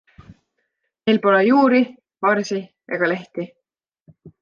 Neil pole juuri, varsi ega lehti.